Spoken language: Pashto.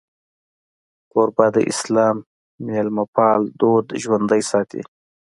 کوربه د اسلام میلمهپال دود ژوندی ساتي.